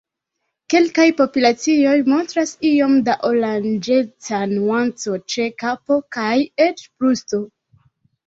Kelkaj populacioj montras iom da oranĝeca nuanco ĉe kapo kaj eĉ brusto.